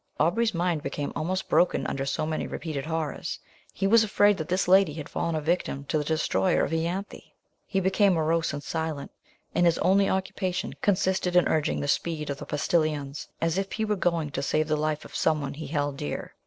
Aubrey's mind became almost broken under so many repeated horrors; he was afraid that this lady had fallen a victim to the destroyer of Ianthe. He became morose and silent; and his only occupation consisted in urging the speed of the postilions, as if he were going to save the life of some one he held dear.